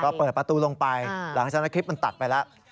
ก็เปิดประตูลงไปหลังจากนั้นคลิปมันตัดไปแล้ว